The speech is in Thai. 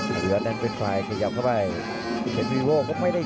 เทนวิโว่ก็ไม่ได้ดีนะครับดูครับแม่